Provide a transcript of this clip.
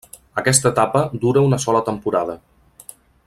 Aquesta etapa dura una sola temporada.